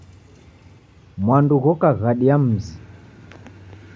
Mwandu ghoka ghadi ya mzi.